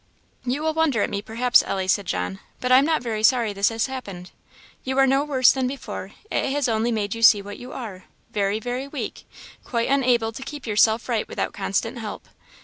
"You will wonder at me, perhaps, Ellie," said John, "but I am not very sorry this has happened. You are no worse than before; it has only made you see what you are very, very weak quite unable to keep yourself right without constant help.